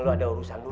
gua duluan ame